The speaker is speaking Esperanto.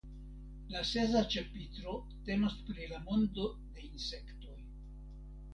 La sesa ĉapitro temas pri la mondo de insektoj.